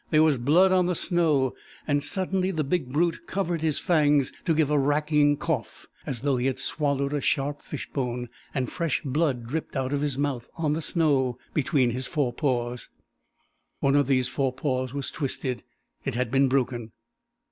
There was blood on the snow; and suddenly the big brute covered his fangs to give a racking cough, as though he had swallowed a sharp fish bone, and fresh blood dripped out of his mouth on the snow between his forepaws. One of these forepaws was twisted; it had been broken.